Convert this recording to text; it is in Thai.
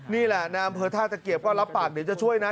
นี่แหละนายอำเภอท่าตะเกียบก็รับปากเดี๋ยวจะช่วยนะ